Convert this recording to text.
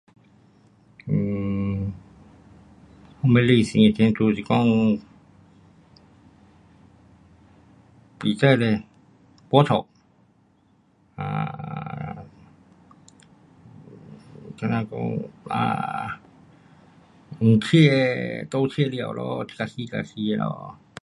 um 什么 [unintelligible] 是讲，不知嘞，没家。um 好像讲 um 风车都漆了咯，一时一时咯